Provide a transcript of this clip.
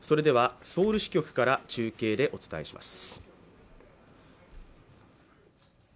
ソウル支局から中継でお伝えします。